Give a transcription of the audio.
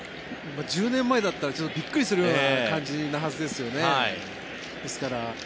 １０年前だったらびっくりするような感じのはずですよね。